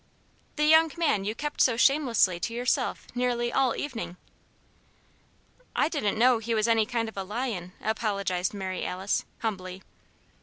"The young man you kept so shamelessly to yourself nearly all evening." "I didn't know he was any kind of a lion," apologized Mary Alice, humbly.